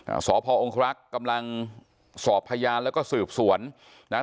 อ่าสพองครักษ์กำลังสอบพยานแล้วก็สืบสวนนะฮะ